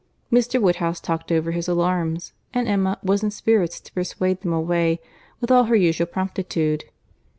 Mr. Woodhouse talked over his alarms, and Emma was in spirits to persuade them away with all her usual promptitude.